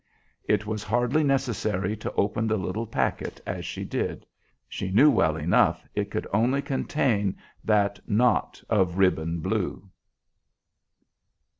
It was hardly necessary to open the little packet as she did. She knew well enough it could contain only that "Knot of ribbon blue."